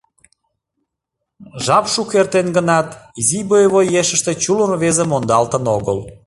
Жап шуко эртен гынат, изи боевой ешыште чулым рвезе мондалтын огыл.